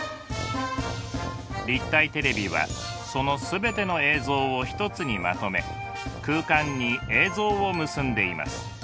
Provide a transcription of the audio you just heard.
立体テレビはその全ての映像を一つにまとめ空間に映像を結んでいます。